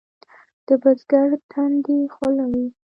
د بزګر تندی خوله وي.